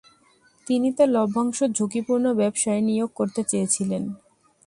তিনি তার লভ্যাংশ ঝুঁকিপূর্ণ ব্যবসায় নিয়োগ করতে চেয়েছিলেন।